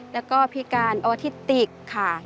แล้วก็พิการออทิติกค่ะ